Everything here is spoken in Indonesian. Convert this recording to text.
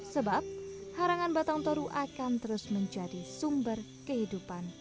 sebab harangan batang toru akan terus menjadi sumber kehidupan